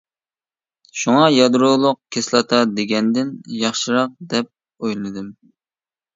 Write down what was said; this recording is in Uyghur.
شۇڭا يادرولۇق كىسلاتا دېگەندىن ياخشىراق دەپ ئويلىدىم.